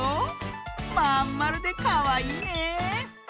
まんまるでかわいいね！